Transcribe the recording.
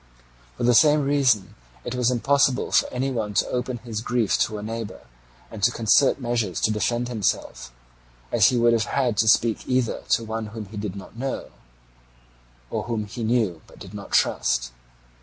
For the same reason it was impossible for any one to open his grief to a neighbour and to concert measures to defend himself, as he would have had to speak either to one whom he did not know, or whom he knew but did not trust.